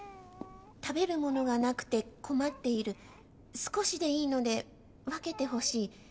食べるものがなくて困っている少しでいいので分けてほしい。